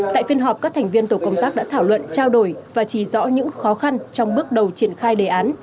tại phiên họp các thành viên tổ công tác đã thảo luận trao đổi và chỉ rõ những khó khăn trong bước đầu triển khai đề án